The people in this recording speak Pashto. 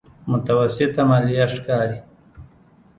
متوسطه ماليه ښکاري.